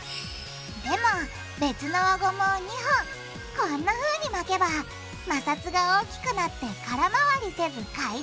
でも別の輪ゴムを２本こんなふうに巻けば摩擦が大きくなって空回りせず回転！